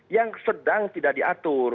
yang sedang tidak diatur